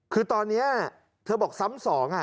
คือตอนนี้เธอบอกซ้ำสอง